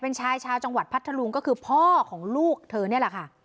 เป็นชายชาวจังหวัดพัทธลุงก็คือพ่อของลูกเธอนี่แหละค่ะ